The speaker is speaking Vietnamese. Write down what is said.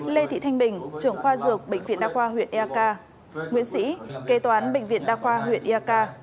lê thị thanh bình trưởng khoa dược bệnh viện đa khoa huyện eak nguyễn sĩ kế toán bệnh viện đa khoa huyện eak